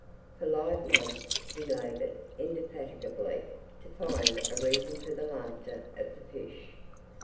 For live months he labored indefatigably to find a reason for the laughter of the fish.